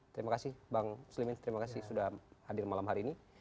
terima kasih bang slimin terima kasih sudah hadir malam hari ini